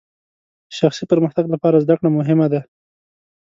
شخصي پرمختګ لپاره زدهکړه مهمه ده.